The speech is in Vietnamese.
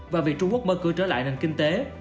và vì trung quốc mơ cưỡi trở lại nền kinh tế